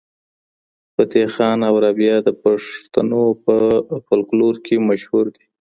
فتح خان او رابعه د پښتنو په فولکلور کي مشهور دي.